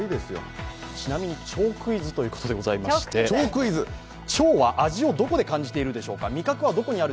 ちなみにチョウクイズということでチョウは味をどこで感じているでしょうか？